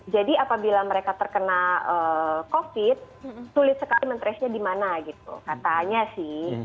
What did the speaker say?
jadi apabila mereka terkena covid sulit sekali mentresnya di mana gitu katanya sih